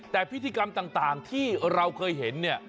แต่พิธีกรรมต่างที่เราเคยเห็นเนี่ย